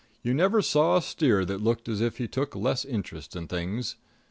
You never saw a steer that looked as if he took less interest in things.